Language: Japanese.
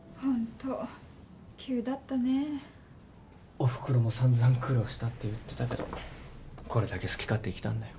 おふくろも散々苦労したって言ってたけどこれだけ好き勝手生きたんだよ。